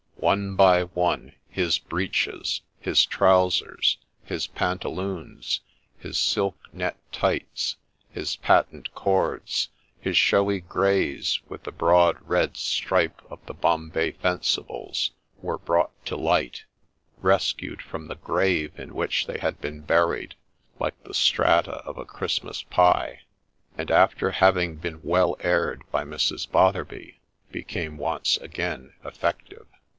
One by one, his breeches, — his trousers, — his pantaloons, — his silk net tights, — his patent cords, — his showy greys with the broad red stripe of the Bombay Fencibles were brought to light, — rescued from the grave in which they had been buried, like the strata of a Christmas pie ; and, after having been well aired by Mrs. Botherby, became once again effective.